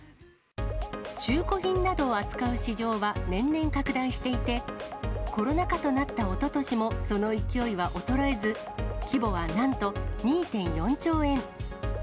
中古品などを扱う市場は年々拡大していて、コロナ禍となったおととしもその勢いは衰えず、規模はなんと２．４兆円。